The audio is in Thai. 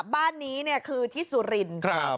บ้านนี้เนี่ยคือที่สุรินทร์